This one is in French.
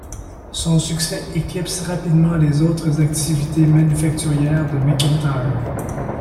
Son succès éclipse rapidement les autres activités manufacturières de Macintyre.